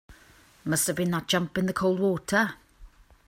Must have been that jump in the cold water.